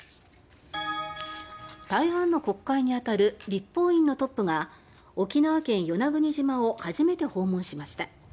台湾の国会に当たる立法院のトップが沖縄県・与那国島を初めて訪問しました。